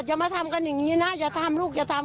อย่ามาทำกันอย่างนี้นะอย่าทำลูกอย่าทำ